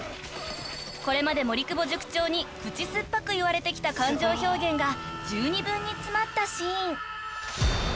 ［これまで森久保塾長に口酸っぱく言われてきた感情表現が十二分に詰まったシーン］